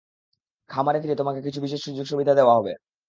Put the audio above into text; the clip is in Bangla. খামারে ফিরে, তোমাকে কিছু বিশেষ সুযোগ-সুবিধা দেয়া হবে।